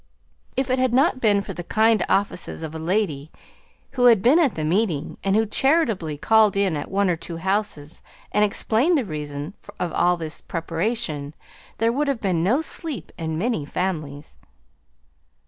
If it had not been for the kind offices of a lady who had been at the meeting, and who charitably called in at one or two houses and explained the reason of all this preparation, there would have been no sleep in many families.